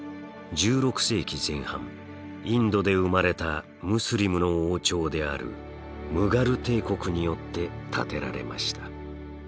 １６世紀前半インドで生まれたムスリムの王朝であるムガル帝国によって建てられました。